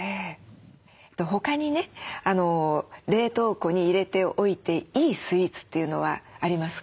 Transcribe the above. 他にね冷凍庫に入れておいていいスイーツというのはありますか？